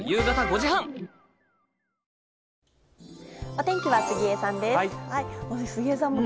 お天気は杉江さんです。